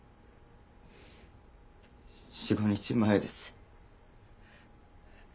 ４５日前です。